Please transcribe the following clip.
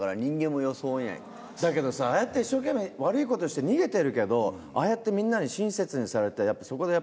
だけどさああやって一生懸命悪いことして逃げてるけどああやってみんなに。